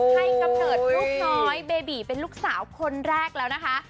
กำเนิดลูกน้อยเบบีเป็นลูกสาวคนแรกแล้วนะคะ